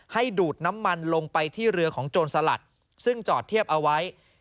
ให้ดูดน้ำมันลงไปที่เรือของโจรสลัดซึ่งจอดเทียบเอาไว้